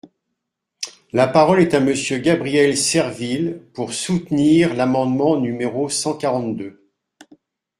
La parole est à Monsieur Gabriel Serville, pour soutenir l’amendement numéro cent quarante-deux.